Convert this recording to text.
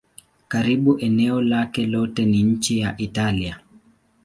Karibu eneo lake lote ni nchi ya Italia.